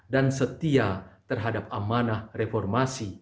dan setia terhadap amanah reformasi seribu sembilan ratus sembilan puluh delapan